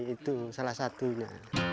itu salah satunya